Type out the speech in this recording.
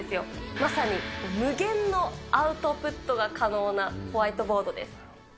まさに無限のアウトプットが可能なホワイトボードです。